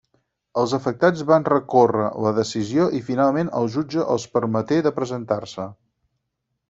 Els afectats van recórrer la decisió i finalment el jutge els permeté de presentar-se.